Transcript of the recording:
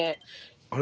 あれ？